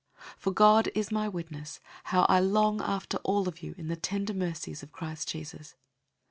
001:008 For God is my witness, how I long after all of you in the tender mercies of Christ Jesus.